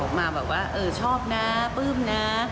ออกมาแบบว่าชอบนะปื้มนะ